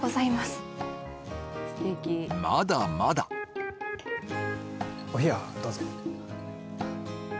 まだまだお冷や、どうぞ。